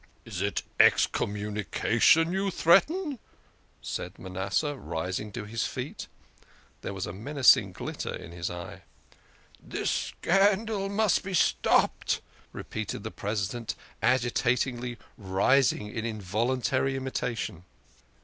"Is it excommunication you threaten?" said Manasseh, rising to his feet. There was a menacing glitter in his eye. " This scandal must be stopped," repeated the President, agitatedly rising in involuntary imitation.